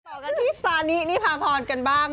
ต่อกันที่ซานินิพาพรกันบ้าง